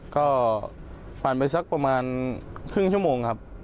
ก็ผ่านไปสักประมาณครึ่งชั่วโมงครับ